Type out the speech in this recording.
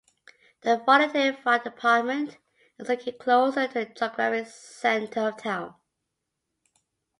The volunteer fire department is located closer to the geographic center of town.